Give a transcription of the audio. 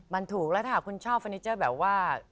มันถูกแล้วถ้าหากคุณชอบเฟอร์นิเจอร์แบบว่า